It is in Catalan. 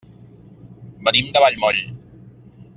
Venim de Vallmoll.